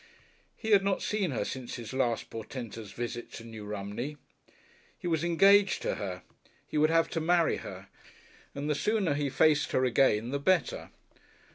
He had not seen her since his last portentous visit to New Romney. He was engaged to her, he would have to marry her, and the sooner he faced her again the better.